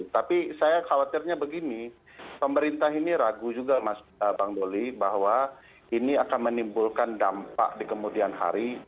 tapi saya khawatirnya begini pemerintah ini ragu juga mas bang doli bahwa ini akan menimbulkan dampak di kemudian hari